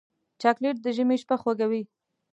چاکلېټ د ژمي شپه خوږوي.